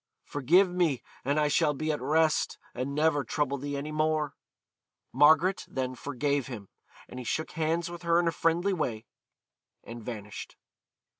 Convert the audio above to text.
Forgive me and I shall be at rest, and never trouble thee any more.' Margaret then forgave him, and he shook hands with her in a friendly way, and vanished.